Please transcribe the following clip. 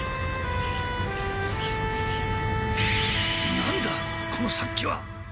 何だこの殺気は！